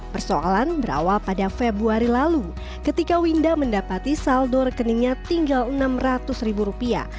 persoalan berawal pada februari lalu ketika winda mendapati saldo rekeningnya tinggal enam ratus ribu rupiah